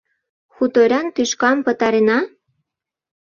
— Хуторян тӱшкам пытарена-а!